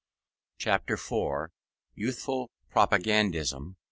CHAPTER IV YOUTHFUL PROPAGANDISM.